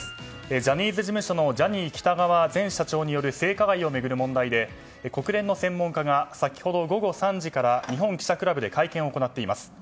ジャニーズ事務所のジャニー喜多川前社長による性加害を巡る問題で国連の専門家が先ほど午後３時から日本記者クラブで会見を行っています。